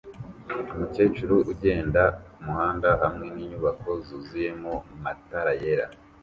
Umukecuru ugenda kumuhanda hamwe ninyubako zuzuyemona matara yera